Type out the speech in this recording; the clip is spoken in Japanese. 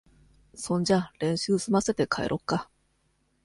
そんじゃ練習すませて、帰ろっか。